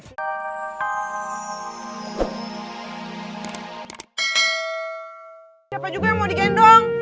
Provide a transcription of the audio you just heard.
siapa juga yang mau digendong